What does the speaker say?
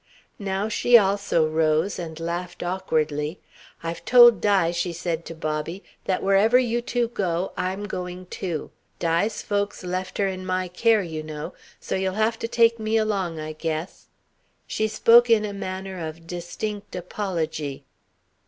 Now she also rose, and laughed awkwardly. "I've told Di," she said to Bobby, "that wherever you two go, I'm going too. Di's folks left her in my care, you know. So you'll have to take me along, I guess." She spoke in a manner of distinct apology.